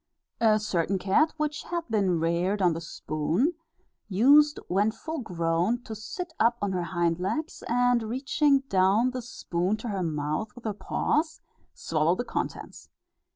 A certain cat which had been reared on the spoon, used, when full grown, to sit up on her hind legs, and reaching down the spoon to her mouth with her paws, swallow the contents.